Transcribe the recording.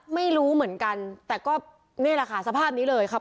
ไม่รู้เหมือนกันแต่ก็นี่แหละค่ะสภาพนี้เลยครับ